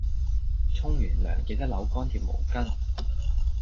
沖完涼記得扭乾條毛巾